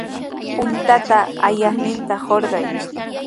Puntata ayaqninta hurqay.